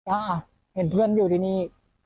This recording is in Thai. เห็นเพื่อนอยู่ที่นี่